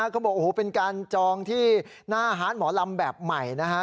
เขาบอกโอ้โหเป็นการจองที่หน้าฮาร์ดหมอลำแบบใหม่นะฮะ